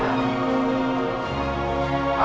tidak kena penampak